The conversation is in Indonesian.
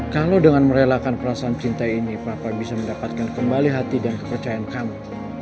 kalau dengan merelakan perasaan cinta ini papa bisa mendapatkan kembali hati dan kepercayaan kami